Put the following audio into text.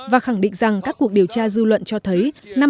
và khẳng định rằng các cuộc điều tra dư luận cho thấy